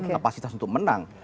capacitas untuk menang